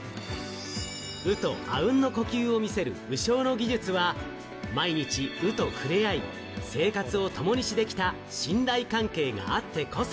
阿吽の呼吸を見せる鵜匠の技術は、毎日、鵜とふれあい、生活を共にしてきた信頼関係があってこそ。